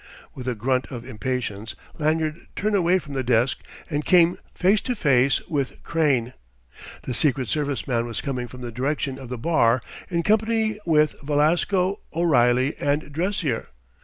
With a grunt of impatience Lanyard turned away from the desk, and came face to face with Crane. The Secret Service man was coming from the direction of the bar in company with Velasco, O'Reilly, and Dressier.